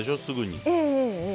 すぐに。